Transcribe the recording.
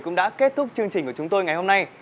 cũng đã kết thúc chương trình của chúng tôi ngày hôm nay